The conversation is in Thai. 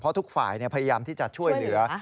เพราะทุกฝ่ายพยายามที่จะช่วยเหลือ